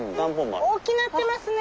大きなってますね。